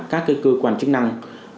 các cái cơ quan chức năng